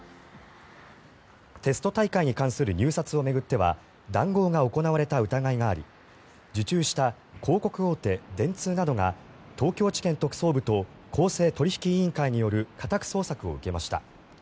テスト大会に関する入札を巡っては談合が行われた疑いがあり受注した広告大手、電通などが東京地検特捜部と公正取引委員会による家宅捜索を受けました。